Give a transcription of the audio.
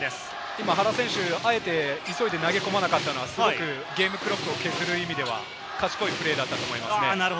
今、原選手、あえて急いで投げ込まなかったのは、ゲームクロックを削る上では賢いプレーだったと思いますね。